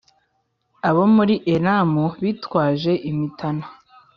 Abo muri Elamu bitwaje imitana,